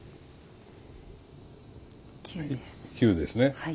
９ですね。